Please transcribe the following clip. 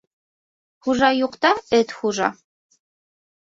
Хужа юҡта эт хужа.